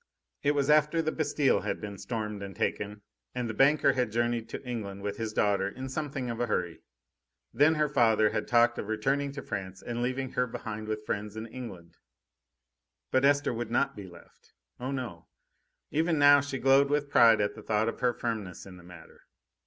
It was after the Bastille had been stormed and taken, and the banker had journeyed to England with his daughter in something of a hurry. Then her father had talked of returning to France and leaving her behind with friends in England. But Esther would not be left. Oh, no! Even now she glowed with pride at the thought of her firmness in the matter.